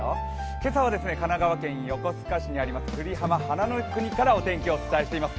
今朝は神奈川県横須賀市にありますくりはま花の国からお天気をお伝えしています。